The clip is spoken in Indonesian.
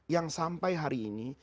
yang sampai hari ini